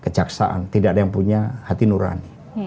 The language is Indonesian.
kejaksaan tidak ada yang punya hati nurani